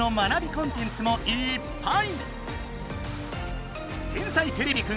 コンテンツもいっぱい！